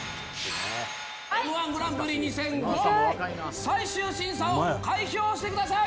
Ｍ−１グランプリ２００５最終審査を開票してください！